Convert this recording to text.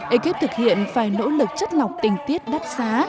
ekip thực hiện phải nỗ lực chất lọc tình tiết đắt xá